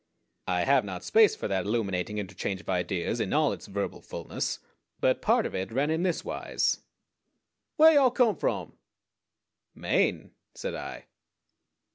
I have not space for that illuminating interchange of ideas in all its verbal fullness; but part of it ran in this wise: "Whar yo' come from?" "Maine," said I.